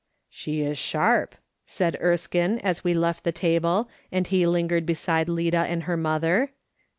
" She is sharp," said Erskine, as we left the table, and he lingered beside Lida and her mother.